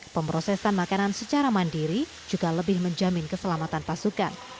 pemprosesan makanan secara mandiri juga lebih menjamin keselamatan pasukan